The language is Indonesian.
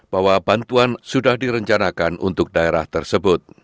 bahwa bantuan sudah direncanakan untuk daerah tersebut